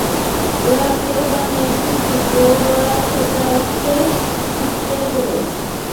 ওরা কেউ-বা নেয় ছবি, কেউ-বা সেটাকে ফুটিয়ে তোলে।